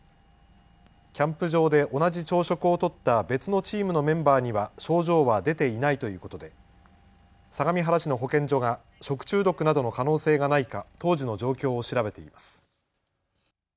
キャンプ場で同じ朝食をとった別のチームのメンバーには症状は出ていないということで相模原市の保健所が食中毒などの可能性がないか当時の状況を調べています。